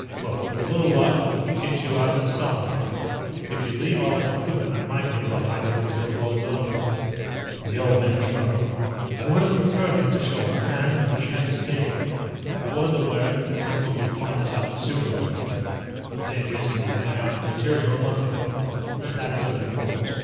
Look, with a little luck we get you out to Salaman. If you leave all this equipment I might be able to hide you until it blows over." The old man shrugged. "I would have preferred not to show our hand, but we had to save you. I was aware that the Council would find us out sooner or later, they missed the ionic material a month ago. But that is unimportant.